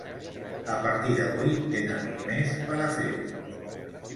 A partir d’avui, tenen un mes per a fer-ho.